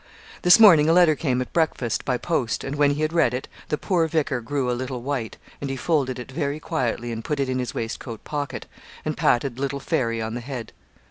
This morning a letter came at breakfast, by post, and when he had read it, the poor vicar grew a little white, and he folded it very quietly and put it in his waistcoat pocket, and patted little Fairy on the head.